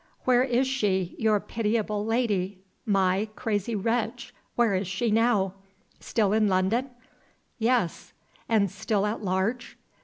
Where is she your pitiable lady, my crazy wretch where is she now? Still in London?" "Yes." "And still at large?"